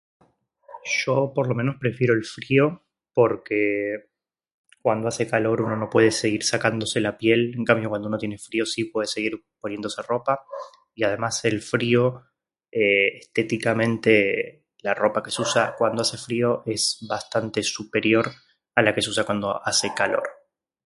Yo, por lo menos, prefiero el frío, porque… Cuando hace calor uno no puede seguir sacándose la piel. En cambio, cuando uno tiene frío sí puede seguir poniéndose ropa. Y además, el frío… Estéticamente… La ropa que se usa cuando hace frío es bastante superior a la que se usa cuando hacer calor.